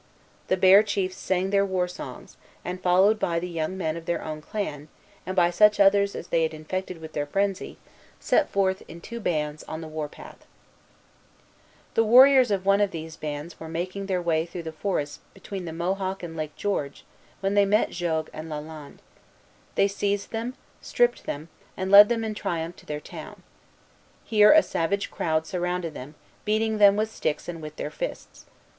The Bear chiefs sang their war songs, and, followed by the young men of their own clan, and by such others as they had infected with their frenzy, set forth, in two bands, on the war path. Lettre de Marie de l'Incarnation à son Fils. Québec, ... 1647. See Introduction. The warriors of one of these bands were making their way through the forests between the Mohawk and Lake George, when they met Jogues and Lalande. They seized them, stripped them, and led them in triumph to their town. Here a savage crowd surrounded them, beating them with sticks and with their fists.